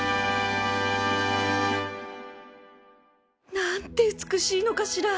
何て美しいのかしら